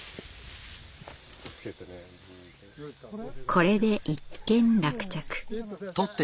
これで一件落着。